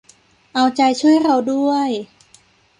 เอาใจช่วยเราด้วย